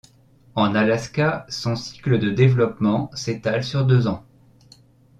En Alaska, son cycle de développement s'étale sur deux ans.